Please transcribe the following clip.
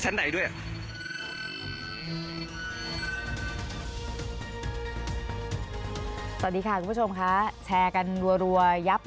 ร้อยเวียนร้อยตำรวจเอกร้อยตำรวจตี